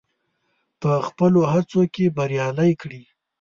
په خپلو هڅو کې بريالی کړي.